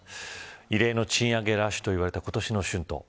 異例の賃上げラッシュと言われた今年の春闘。